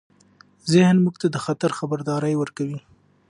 ذهن موږ ته د خطر خبرداری ورکوي.